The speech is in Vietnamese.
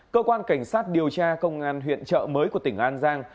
cơ quan cảnh sát điều tra công an huyện trợ mới của tỉnh an giang